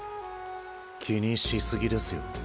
気にし過ぎですよ。